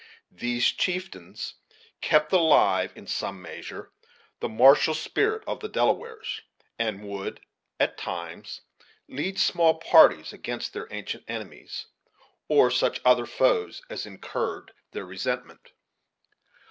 These chieftains kept alive, in some measure, the martial spirit of the Delawares; and would, at times, lead small parties against their ancient enemies, or such other foes as incurred their resentment.